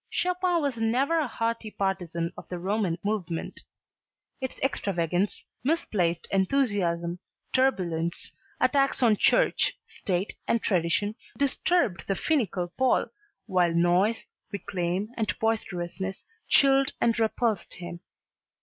Chopin was never a hearty partisan of the Romantic movement. Its extravagance, misplaced enthusiasm, turbulence, attacks on church, state and tradition disturbed the finical Pole while noise, reclame and boisterousness chilled and repulsed him.